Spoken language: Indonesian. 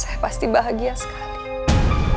saya pasti bahagia sekali